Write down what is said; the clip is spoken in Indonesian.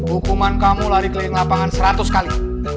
hukuman kamu lari keliling lapangan seratus kali